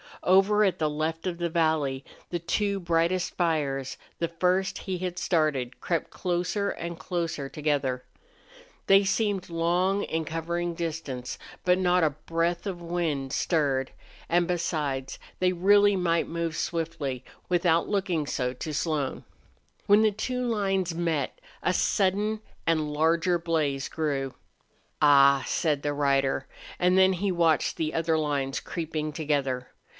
Over at the left of the valley the two brightest fires, the first he had started, crept closer and closer together. They seemed long in covering distance. But not a breath of wind stirred, and besides they really might move swiftly, without looking so to Slone. When the two lines met a sudden and larger blaze rose. "Ah!" said the rider, and then he watched the other lines creeping together.